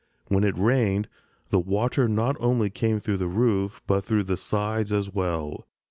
When it rained the water not only came through the roof, but through the sides as well.